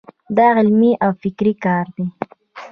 دا علمي او فکري کار دی.